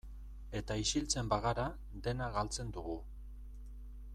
Eta isiltzen bagara, dena galtzen dugu.